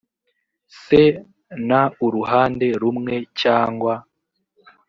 se n uruhande rumwe cyangwa